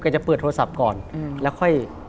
จะเปิดโทรศัพท์ก่อนแล้วค่อย